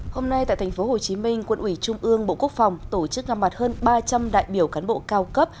hôm nay tại tp hcm quân ủy trung ương bộ quốc phòng tổ chức gặp mặt hơn ba trăm linh đại biểu cán bộ cao cấp